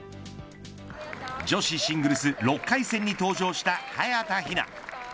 女子シングルス６回戦に登場した早田ひな。